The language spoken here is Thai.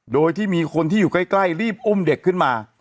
โดยที่มีคนที่อยู่ใกล้รีบอุ้มเด็กขึ้นมา